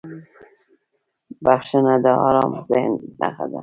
• بخښنه د آرام ذهن نښه ده.